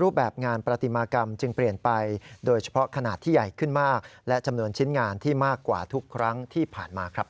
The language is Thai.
รูปแบบงานประติมากรรมจึงเปลี่ยนไปโดยเฉพาะขนาดที่ใหญ่ขึ้นมากและจำนวนชิ้นงานที่มากกว่าทุกครั้งที่ผ่านมาครับ